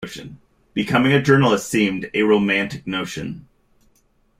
Becoming a journalist seemed a romantic notion.